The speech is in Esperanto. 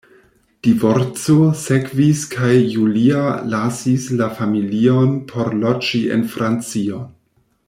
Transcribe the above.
Divorco sekvis kaj Julia lasis la familion por loĝi en Francion.